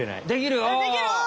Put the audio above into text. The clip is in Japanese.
できるお！